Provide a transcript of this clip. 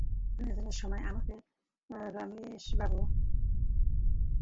প্রয়োজনের সময় আমাকে রমেশবাবু বলিয়া ডাকিলে ক্ষতি কী?